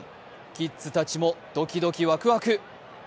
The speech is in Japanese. キッズたちもドキドキわくわく。